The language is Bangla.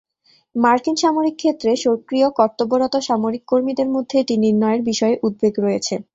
মার্কিন সামরিক ক্ষেত্রে সক্রিয় কর্তব্যরত সামরিক কর্মীদের মধ্যে এটি নির্ণয়ের বিষয়ে উদ্বেগ রয়েছে।